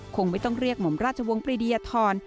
คงไม่ต้องเรียกหม่อมราชวงศ์ปรีดียธร